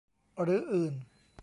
หรืออื่น